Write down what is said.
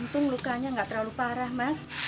untung lukanya nggak terlalu parah mas